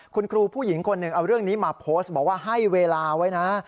คุณครูผู้หญิงคนหนึ่งเอาเรื่องนี้มาโพสต์บอกว่าให้เวลาไว้นะ